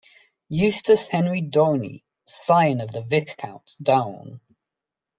Eustace Henry Dawnay, scion of the Viscounts Downe.